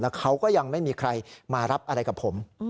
เขาก็ยังไม่มีใครมารับอะไรกับผม